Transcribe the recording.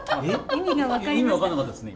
意味分かんなかったですね。